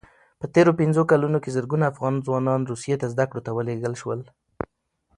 په تېرو پنځو کلونو کې زرګونه افغان ځوانان روسیې ته زدکړو ته ولېږل شول.